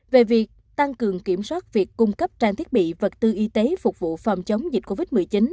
về việc tăng cường kiểm soát việc cung cấp trang thiết bị vật tư y tế phục vụ phòng chống dịch covid một mươi chín